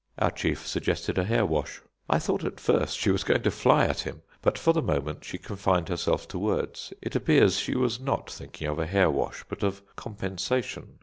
Our chief suggested a hair wash. I thought at first she was going to fly at him; but for the moment she confined herself to words. It appears she was not thinking of a hair wash, but of compensation.